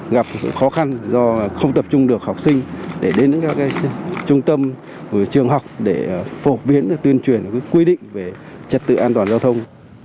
gặp khó khăn do không tập trung được học sinh để đến các trung tâm trường học để phổ biến tuyên truyền quy định về trật tự an toàn giao thông